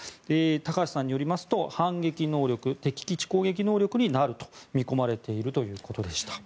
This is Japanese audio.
高橋さんによりますと反撃能力、敵基地攻撃能力になると見込まれているということでした。